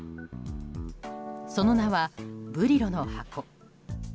その名は、「ブリロの箱」。